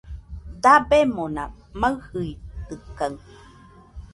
Dabemona maɨjɨitɨkaɨ